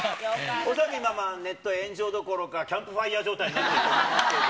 恐らく、ネット炎上どころかキャンプファイヤー状態になっちゃいますけど。